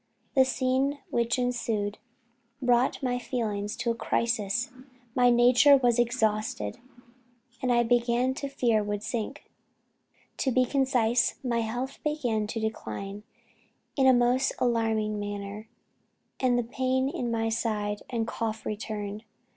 The scene which ensued brought my feelings to a crisis, nature was quite exhausted, and I began to fear would sink. To be concise, my health began to decline in a most alarming manner, and the pain in my side and cough returned.